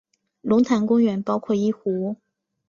龙潭公园包括一湖。